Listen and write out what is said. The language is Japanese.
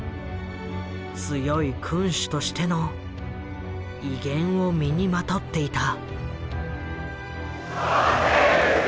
強い君主としての威厳を身にまとっていた。